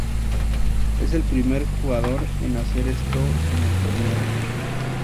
Él es el primer jugador en hacer esto en el torneo.